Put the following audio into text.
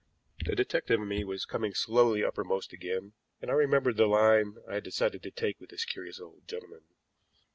The detective in me was coming slowly uppermost again, and I remembered the line I had decided to take with this curious old gentleman.